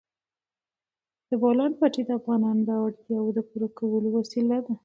د بولان پټي د افغانانو د اړتیاوو د پوره کولو وسیله ده.